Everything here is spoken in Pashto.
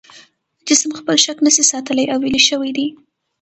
جسم خپل شکل نشي ساتلی او ویلې شوی دی.